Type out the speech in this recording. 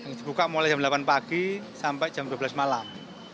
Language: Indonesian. dibuka mulai jam delapan pagi sampai jam dua belas malam